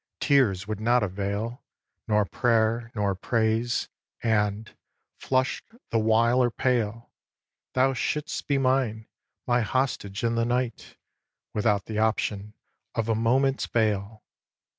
Tears would not avail Nor prayer, nor praise; and, flush'd the while or pale, Thou shouldst be mine, my hostage in the night, Without the option of a moment's bail.